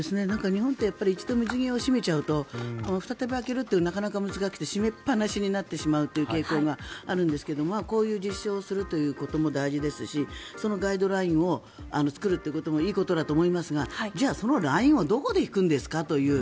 日本って一度水際を締めちゃうと再び開けるのがなかなか難しくて閉めっぱなしになってしまう傾向があるんですがこういう実証をすることも大事ですしそのガイドラインを作るっていうこともいいことだと思いますがじゃあそのラインはどこで引くんですかという。